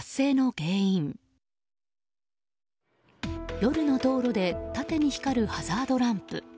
夜の道路で縦に光るハザードランプ。